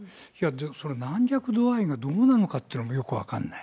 それ、軟弱度合いがどうなのかっていうのもよく分からない。